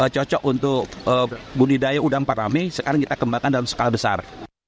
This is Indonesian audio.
cocok untuk budidaya udang parame sekarang kita kembangkan dalam skala besar